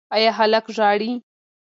ایا هلک ژاړي؟